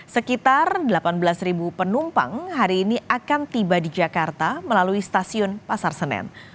sekitar delapan belas penumpang hari ini akan tiba di jakarta melalui stasiun pasar senen